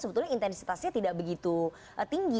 sebetulnya intensitasnya tidak begitu tinggi